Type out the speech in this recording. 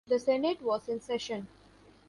The Senate was in session.